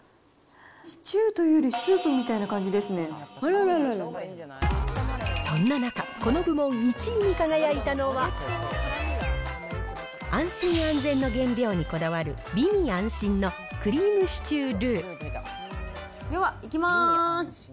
シチューというより、そんな中、この部門１位に輝いたのは、安心安全の原料にこだわる、美味安心のクリームシチュー・ではいきます。